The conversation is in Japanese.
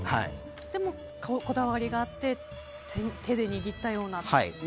でもこだわりがあって手で握ったようなという。